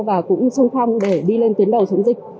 và cũng sung phong để đi lên tuyến đầu chống dịch